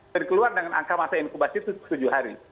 keluar dengan angka masa inkubasi itu tujuh hari